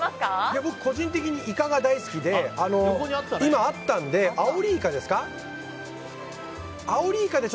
僕、個人的にイカが大好きで今あったんでアオリイカですか？